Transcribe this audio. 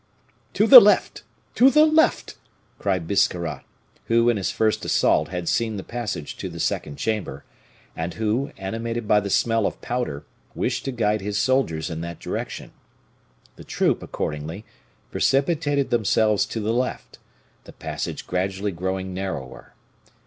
"To the left! to the left!" cried Biscarrat, who, in his first assault, had seen the passage to the second chamber, and who, animated by the smell of powder, wished to guide his soldiers in that direction. The troop, accordingly, precipitated themselves to the left the passage gradually growing narrower.